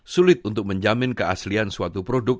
sulit untuk menjamin keaslian suatu produk